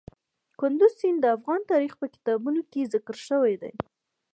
کندز سیند د افغان تاریخ په کتابونو کې ذکر شوی دي.